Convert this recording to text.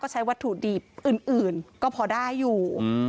ใช้วัตถุดิบอื่นก็พอได้อยู่